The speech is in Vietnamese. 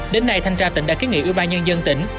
đến nay thanh tra tỉnh đã kiến nghị ủy ban nhân dân tỉnh